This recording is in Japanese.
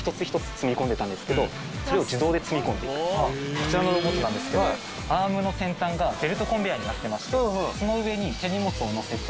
こちらのロボットなんですけどアームの先端がベルトコンベヤーになってましてその上に手荷物を載せて。